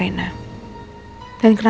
nindi nanya sama rena